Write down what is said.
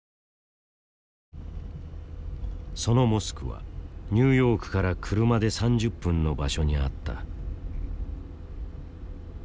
そのモスクはニューヨークから車で３０分の場所にあった。